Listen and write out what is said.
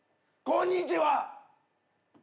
こんにちは！